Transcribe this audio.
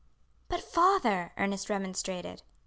"But, father," Ernest remonstrated.